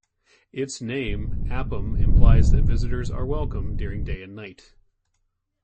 Its name 'apm' implies that visitors are welcome during day and night.